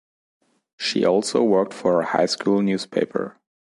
She also worked for her high school newspaper.